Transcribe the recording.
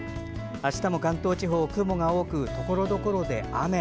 明日も関東地方は雲が多くところどころで雨。